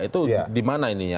itu dimana ini ya